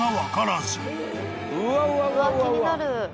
うわっ気になる。